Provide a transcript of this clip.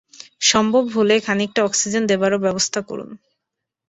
সম্ভব হলে খানিকটা অক্সিজেন দেবারও ব্যবস্থা করুন।